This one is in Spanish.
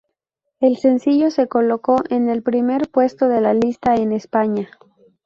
El sencillo se colocó en el primer puesto de la lista en España.